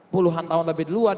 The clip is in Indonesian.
puluhan tahun lebih deluan